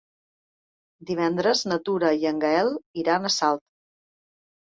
Divendres na Tura i en Gaël iran a Salt.